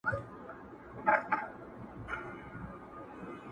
ته پاچا یې خدای درکړی سلطنت دئ!.